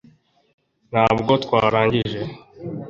ntabwo twarangije